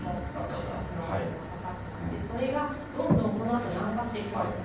活発な雨雲がかかっていまして、それがどんどんこのあと南下してきます。